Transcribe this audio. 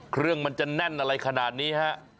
เครื่องมันจะแน่นอะไรขนาดนี้ฮะ